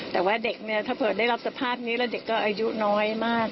ถ้าเผลอได้รับสภาพนี้แล้วเด็กก็อายุน้อยมาก